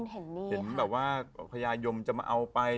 เห็นแบบว่าพญายมจะมาเอาไป